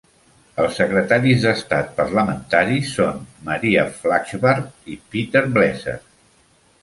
Els secretaris d'estat parlamentaris són Maria Flachsbarth i Peter Bleser.